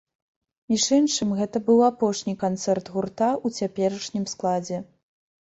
Між іншым, гэта быў апошні канцэрт гурта ў цяперашнім складзе.